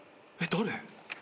誰？